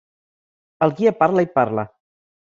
El guia parla i parla.